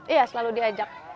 iya selalu diajak